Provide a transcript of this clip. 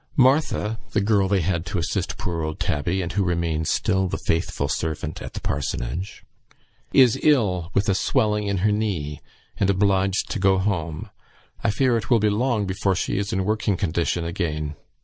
Martha" (the girl they had to assist poor old Tabby, and who remains still the faithful servant at the parsonage,) "is ill with a swelling in her knee, and obliged to go home. I fear it will be long before she is in working condition again.